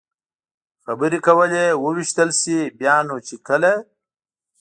خبرې کولې، ووېشتل شي، بیا نو چې کله.